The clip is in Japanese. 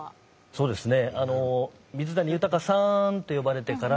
そうですね。